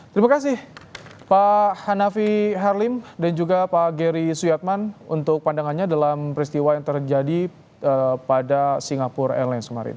terima kasih pak hanafi harlim dan juga pak geri suyatman untuk pandangannya dalam peristiwa yang terjadi pada singapura airlines kemarin